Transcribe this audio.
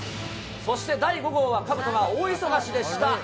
そして第５号はかぶとが大忙しでした。